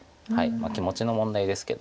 まあ気持ちの問題ですけど。